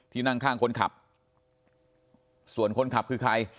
นั่งข้างคนขับส่วนคนขับคือใคร